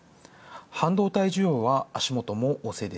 半導体需要は足元も旺盛。